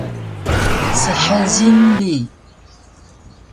shjil bi